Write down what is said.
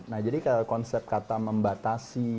nah jadi kayak konsep kata membatasi